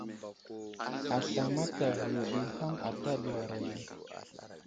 Asla mataviyo ɗi ham ata ɗuwar age.